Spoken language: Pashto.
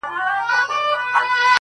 که غچيدله زنده گي په هغه ورځ درځم.